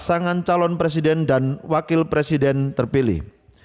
pasangan calon presiden dan wakil presiden terpilih